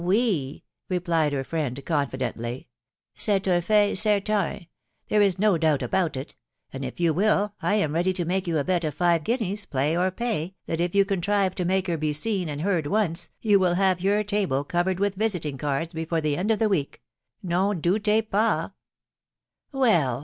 O toe," replied her friend confidently, "set ung fay certafaf .... there is no doubt about it ; and if you will, I am ready to make you a bet ef five guineas, play or pay, that if yon contrive to make her be seen and heard once, you will have your table covered with visiting cards before the end of the week .... nong douty paw'' " Well